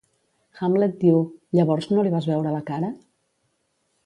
Hamlet diu: "Llavors no li vas veure la cara?"